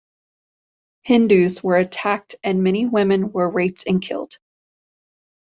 Hindus were attacked and many women were raped and killed.